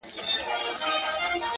دا خپل عقل مي دښمن دی تل غمګین یم!!